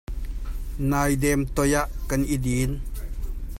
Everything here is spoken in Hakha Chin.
Naidem toi ah kan i dim.